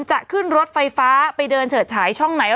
จะขึ้นรถไฟฟ้าไปเดินเฉิดฉายช่องไหน